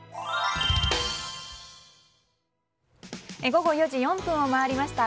⁉午後４時４分を回りました。